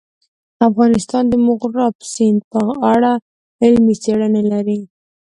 افغانستان د مورغاب سیند په اړه علمي څېړنې لري.